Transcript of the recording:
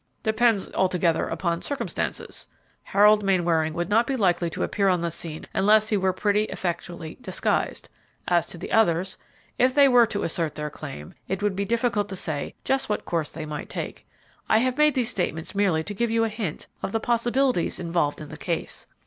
"Depends altogether upon circumstances. Harold Mainwaring would not be likely to appear on the scene unless he were pretty effectually disguised. As to the others, if they were to assert their claim, it would be difficult to say just what course they might take. I have made these statements merely to give you a hint of the possibilities involved in the case.